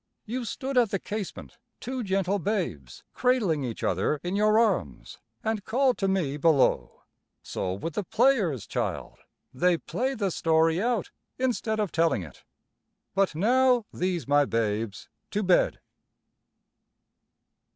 You stood at the casement, two gentle babes, cradling each other in your arms, and called to me below. So with the players, child, they play the story out instead of telling it. But now, these my babes to bed."